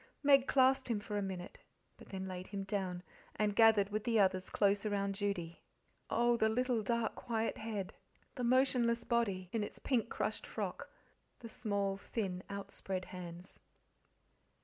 Meg clasped him for a minute, but then laid him down, and gathered with the others close around Judy. Oh, the little dark, quiet head, the motionless body, in its pink, crushed frock, the small, thin, outspread hands!